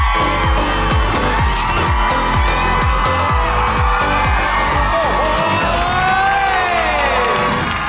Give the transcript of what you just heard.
โอ้โหโอ้โห